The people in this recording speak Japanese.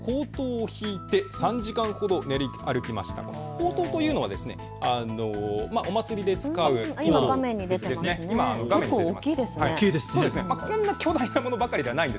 奉燈というのはお祭りで使う、今画面に出ています。